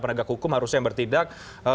penegak hukum harusnya yang bertindak